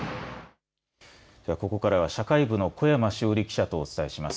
ではここからは社会部の小山志央理記者とお伝えします。